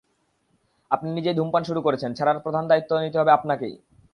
আপনি নিজেই ধূমপান শুরু করেছেন, ছাড়ার প্রধান দায়িত্ব নিতে হবে আপনাকেই।